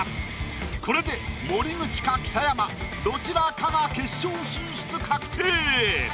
これで森口か北山どちらかが決勝進出確定！